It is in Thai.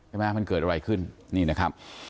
มันเกิดอะไรขึ้นนี่นะครับ